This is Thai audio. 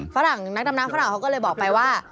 ฝรั่งนักดำน้ำฝรั่งเขาก็เลยบอกไปว่า